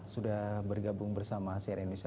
sudah bergabung bersama saya dan indonesia